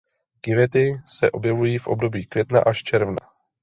Květy se objevují v období května až června.